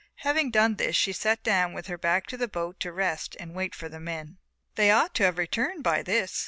Having done this she sat down with her back to the boat to rest and wait for the men. They ought to have returned by this.